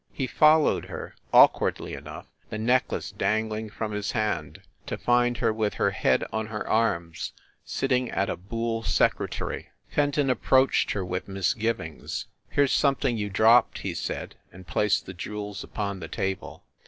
He followed her, awkwardly enough, the necklace dangling from his hand, to find her with her head on her arms, sitting at a boule secretary. Fenton approached her with misgivings. "Here s something you dropped," he said, and placed the jewels upon the table.